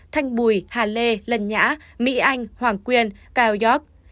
thanh bùi hà lê lần nhã mỹ anh hoàng quyên cao york